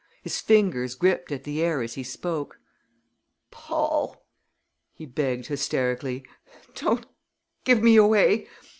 His fingers gripped at the air as he spoke. "Paul," he begged hysterically, "don't give me away!